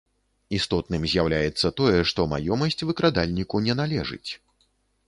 Істотным з'яўляецца тое, што маёмасць выкрадальніку не належыць.